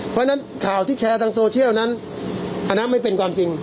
เพราะฉะนั้นข่าวที่แชร์ทางโซเชียลนั้นอันนั้นไม่เป็นความจริง